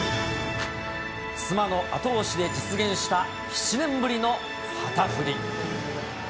妻の後押しで実現した７年ぶりの旗振り。